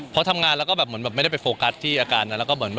เพราะทำงานแล้วก็ไม่ได้ไปโฟกัสที่อาการนั้น